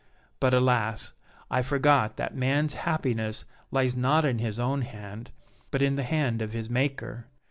But, alas! I forgot that man's happiness lies not in his own hand, but in the hand of his Maker.